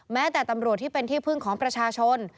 แม้แต่ตำรวจที่เป็นที่พึ่งของประชาชน